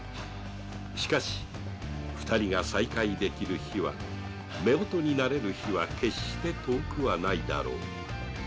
しかし二人が再会できる日は夫婦になれる日は決して遠くはないだろう。